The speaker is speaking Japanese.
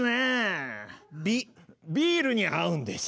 ビールに合うんです。